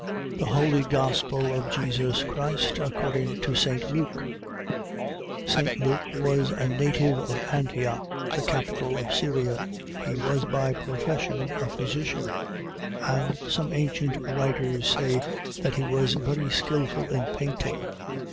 THE HOLY GOSPEL OF JESUS CHRIST ACCORDING TO ST. LUKE St. Luke was a native of Antioch, the capital of Syria. He was by profession a physician; and some ancient writers say, that he was very skillful in painting.